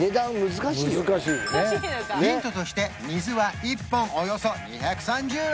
難しいねヒントとして水は１本およそ２３０円